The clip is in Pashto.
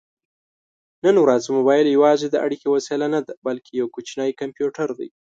نن ورځ مبایل یوازې د اړیکې وسیله نه ده، بلکې یو کوچنی کمپیوټر دی.